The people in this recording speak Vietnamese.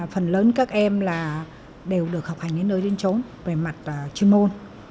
phần lớn các em đều được học hành đến nơi đến trốn về mặt chuyên môn